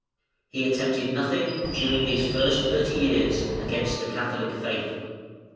He attempted nothing (during these first thirty years) against the Catholic faith.